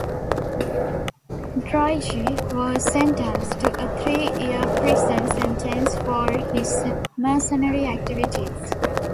Droege was sentenced to a three-year prison sentence for his mercenary activities.